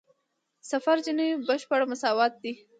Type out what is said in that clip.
صفر جیني بشپړ مساوات دی.